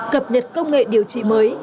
cập nhật công nghệ điều trị mới